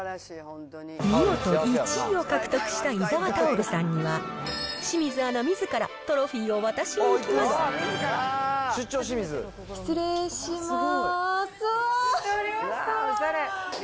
見事、１位を獲得した伊澤タオルさんには、清水アナみずからトロフィーを失礼します。